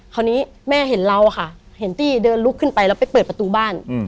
คราวนี้แม่เห็นเราค่ะเห็นตี้เดินลุกขึ้นไปแล้วไปเปิดประตูบ้าน